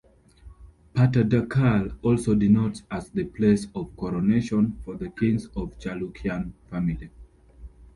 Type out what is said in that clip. "Pattadakal" also denotes as the place of coronation for the kings of Chalukyan family.